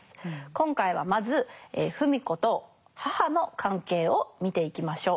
今回はまず芙美子と母の関係を見ていきましょう。